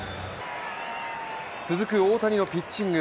続く大谷のピッチング。